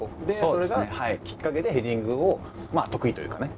それがきっかけでヘディングをまあ得意というかね